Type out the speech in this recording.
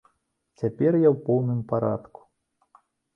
Цяпер я ў поўным парадку.